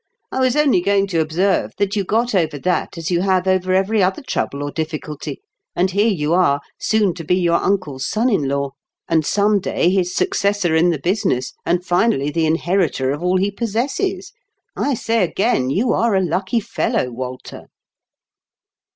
I was only going to observe that you got over that as you have over every other trouble or difficulty, and here you are, soon to be your uncle's son in law^ 184 IN KENT WITH CHABLE8 DICKENS. and some day his successor in the business, and finally the inheritor of all he possesses. I say again, you are a lucky fellow, Walter."